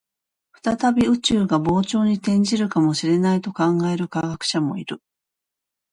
再び宇宙が膨張に転じるかもしれないと考える科学者もいる